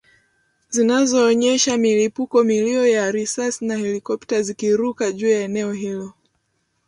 zinazoonyesha milipuko milio ya risasi na helikopta zikiruka juu ya eneo hilo